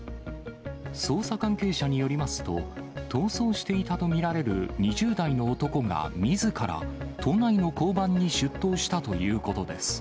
捜査関係者によりますと、逃走していたと見られる２０代の男が、みずから都内の交番に出頭したということです。